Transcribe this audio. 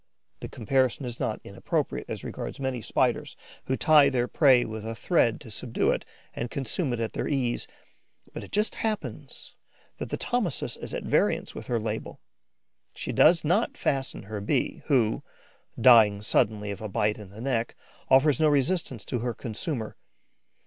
The comparison is not inappropriate as regards many Spiders who tie their prey with a thread to subdue it and consume it at their ease; but it just happens that the Thomisus is at variance with her label. She does not fasten her Bee, who, dying suddenly of a bite in the neck, offers no resistance to her consumer.